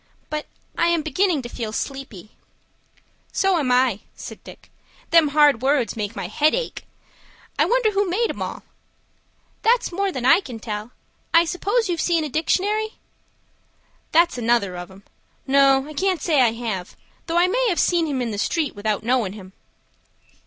But I am beginning to feel sleepy." "So am I," said Dick. "Them hard words make my head ache. I wonder who made 'em all?" "That's more than I can tell. I suppose you've seen a dictionary." "That's another of 'em. No, I can't say I have, though I may have seen him in the street without knowin' him."